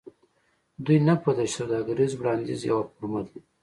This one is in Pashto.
دوی نه پوهیدل چې سوداګریز وړاندیز یوه فورمه ده